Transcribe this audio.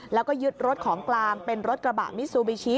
แล้วก็ยึดรถของกลางเป็นรถกระบะมิซูบิชิ